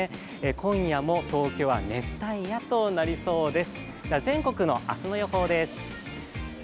今夜も東京は熱帯夜となりそうです。